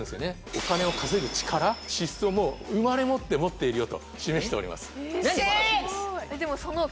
お金を稼ぐ力資質をもう生まれ持って持っているよと示しておりますえっ！